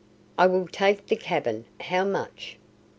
"I will take the cabin. How much?"